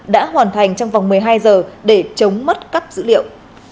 đã hoàn thành trong vòng một mươi hai giờ để chống mất cắp dữ liệu